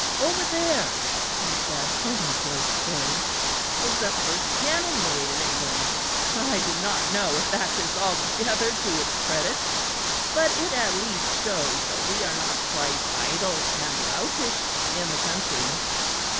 "Over there," he said, pointing towards Eridge, "was the first cannon made in England. I do not know if that is altogether to its credit, but it at least shows that we are not quite idle and loutish in the country.